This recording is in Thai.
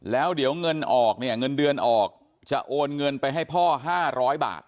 แล้วเดี๋ยวเงินออกเนี่ยเงินเดือนออกจะโอนเงินไปให้พ่อ๕๐๐บาท